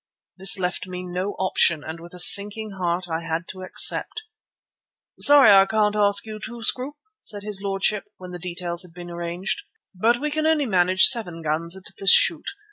This left me no option, and with a sinking heart I had to accept. "Sorry I can't ask you too, Scroope," said his lordship, when details had been arranged, "but we can only manage seven guns at this shoot.